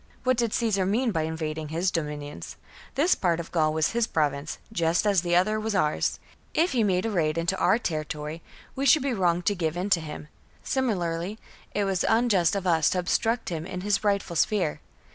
What did Caesar mean by invading his dominions? This part of Gaul was his province, just as the other was ours. If he made a raid into our territory, 42 CAMPAIGNS AGAINST THE book s8 B.C. we should be wrong to give in to him ; similarly, it was unjust of us to obstruct him in his rightful sphere.